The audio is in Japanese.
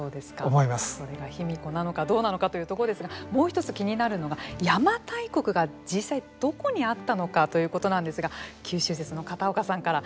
それが卑弥呼なのかどうなのかというところですがもう一つ気になるのが邪馬台国が実際どこにあったのかということなんですが九州説の片岡さんから。